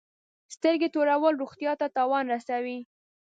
سترګي تورول روغتیا ته تاوان رسوي.